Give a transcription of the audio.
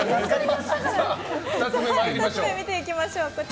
２つ目見ていきましょう。